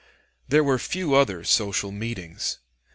There were few other social meetings.